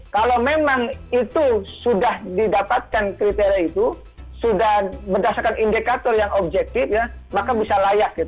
kalau memang itu sudah didapatkan kriteria itu sudah berdasarkan indikator yang objektif maka bisa layak